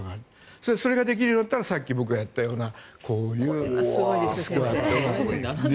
それができようになったらさっき僕がやったようなこういう。